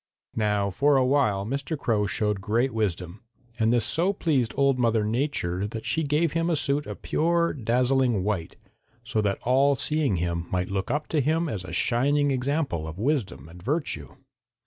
"Now for a while Mr. Crow showed great wisdom, and this so pleased Old Mother Nature that she gave him a suit of pure, dazzling white, so that all seeing him might look up to him as a shining example of wisdom and virtue.